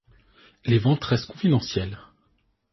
Les ventes restent confidentielles.